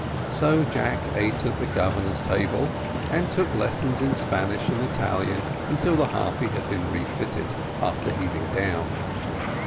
So Jack ate at the Governor's table, and took lessons in Spanish and Italian until the Harpy had been refitted, after heaving down.